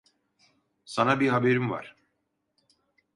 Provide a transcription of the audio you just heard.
Sana bir haberim var.